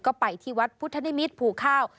ก็ไปที่วัดพุทธนิมิตรภูข้าว